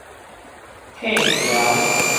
退潮